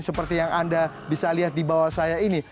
seperti yang anda bisa lihat di bawah saya ini